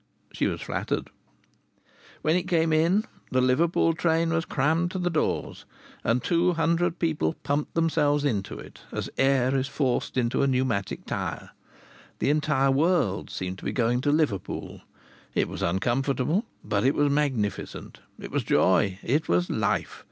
She was flattered. When it came in, the Liverpool train was crammed to the doors. And two hundred people pumped themselves into it, as air is forced into a pneumatic tyre. The entire world seemed to be going to Liverpool. It was uncomfortable, but it was magnificent. It was joy, it was life.